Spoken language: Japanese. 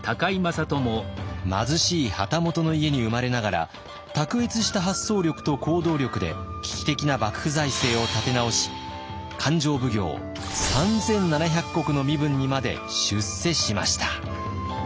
貧しい旗本の家に生まれながら卓越した発想力と行動力で危機的な幕府財政を立て直し勘定奉行３，７００石の身分にまで出世しました。